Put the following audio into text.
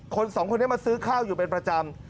๒คนมาซื้อข้าวอยู่เป็นประจำ